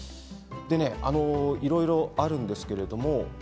いろいろ、あるんですけれども。